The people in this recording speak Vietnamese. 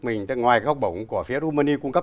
mình ngoài học bổng của phía kumani cung cấp